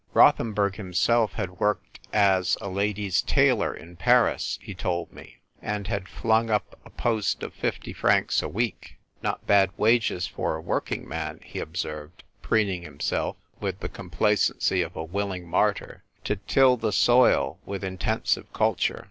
Rothenburg himself had worked as a lady's tailor in Paris, he told me, and had flung up a post of fifty francs a week —" Not bad wages for a working man," he observed, preening himself, with the complacency of a willing martyr — to till the soil with in tensive culture.